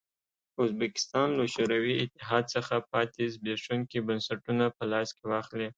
ازبکستان له شوروي اتحاد څخه پاتې زبېښونکي بنسټونه په لاس کې واخلي.